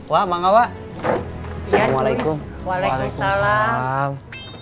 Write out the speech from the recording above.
wah banga wa salamualaikum waalaikumsalam